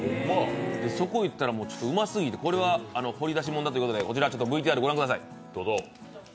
そこへ行ったらうますぎて、これは掘り出し物だということでＶＴＲご覧ください。